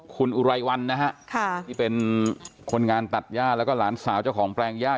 คุณอุไรวันนะฮะค่ะที่เป็นคนงานตัดย่าแล้วก็หลานสาวเจ้าของแปลงย่า